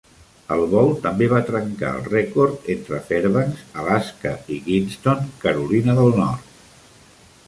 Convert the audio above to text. El vol també va trencar el rècord entre Fairbanks, Alaska i Kinston, Carolina del Nord.